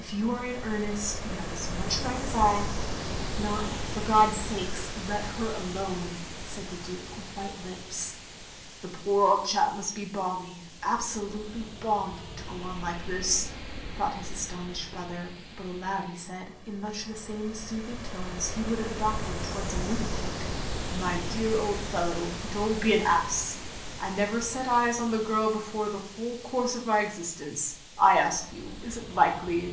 If you are in earnest, you have as much right as I — if not, for God's sake, let her alone," said the Duke, with white lips. "The poor old chap must be balmy, absolutely balmy, — ^to go on like this, " thought his astonished brother; but aloud he said, in much the same soothing tones he wotdd have adopted towards a Itinatic. " My dear old fellow, don't be an ass. I never set eyes on the girl before in the whole course of my existence. I ask you, is it likely?"